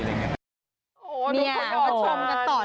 เนี่ยผู้ชมกันต่อ